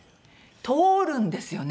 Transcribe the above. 通るんですよね